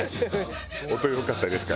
音良かったですか？